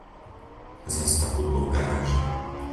Zastav hudbu v garáži.